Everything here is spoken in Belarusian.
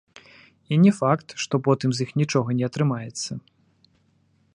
І не факт, што потым з іх нічога не атрымаецца.